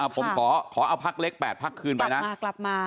ผมขอเอาพักเล็ก๘พักคืนไปนะ